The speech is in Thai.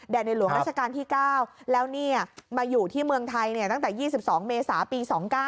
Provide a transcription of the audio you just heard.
ในหลวงราชการที่๙แล้วมาอยู่ที่เมืองไทยตั้งแต่๒๒เมษาปี๒๙